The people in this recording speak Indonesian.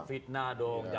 itu fitnah dong